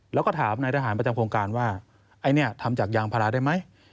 แล้วก็ถามนายทหารประจำโครงการว่าไอ้เนี่ยทำจากยางพาราได้ไหม